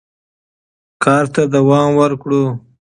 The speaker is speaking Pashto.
کار ته دوام ورکړو.